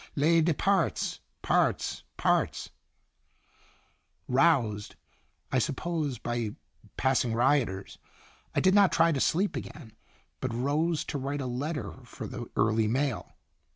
Les departs parts parts I" Roused, I supposed by passing rioters, I did not try to sleep again, but rose to write a letter for the early mail.